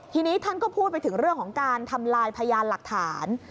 ทีนี้ท่านก็พูดไปถึงเรื่องของการทำลายพยานหลักฐาน